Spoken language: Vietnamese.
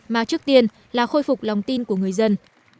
mà trước tiên là khôi phục lòng tin của người dân